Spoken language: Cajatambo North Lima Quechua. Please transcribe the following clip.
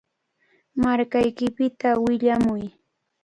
Markaykipita willamuy.